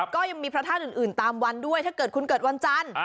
ก็ยังมีพระธาตุอื่นตามวันด้วยถ้าเกิดคุณเกิดวันจันทร์